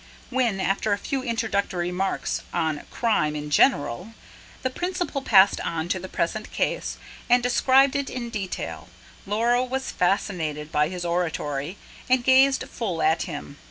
When, after a few introductory remarks on crime in general, the Principal passed on to the present case, and described it in detail, Laura was fascinated by his oratory, and gazed full at him.